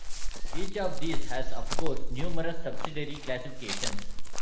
Each of these has of course numerous subsidiary classifications.